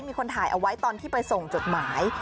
มีคนถ่ายเอาไว้ตอนที่ไปส่งจดหมาย